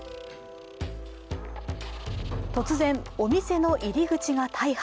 突然、お店の入り口が大破。